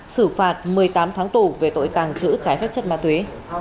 xử phạt một mươi tám tháng tù về tội tàng trữ trái phép chất ma túy